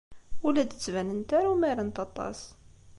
Ur la d-ttbanent ara umarent aṭas.